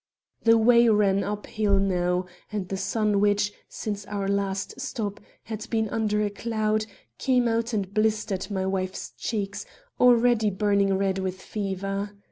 The way ran uphill now; and the sun which, since our last stop, had been under a cloud, came out and blistered my wife's cheeks, already burning red with fever.